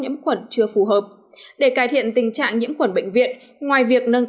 nhiễm khuẩn chưa phù hợp để cải thiện tình trạng nhiễm khuẩn bệnh viện ngoài việc nâng